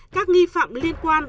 các nghi phạm liên quan